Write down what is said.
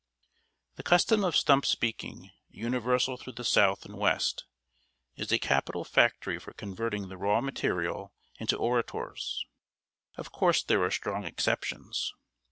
The custom of stump speaking, universal through the South and West, is a capital factory for converting the raw material into orators. Of course there are strong exceptions.